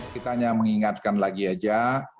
kita hanya mengingatkan lagi aja